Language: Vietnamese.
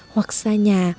hoặc xa nhà